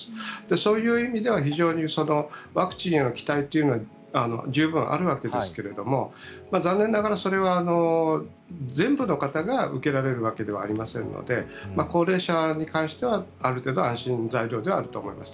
そういう意味では非常にワクチンへの期待というのは十分あるわけですけれども残念ながら、それは全部の方が受けられるわけではありませんので高齢者に関しては、ある程度安心材料ではあると思います。